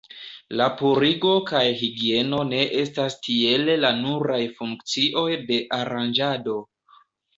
La purigo kaj higieno ne estas tiele la nuraj funkcioj de Aranĝado.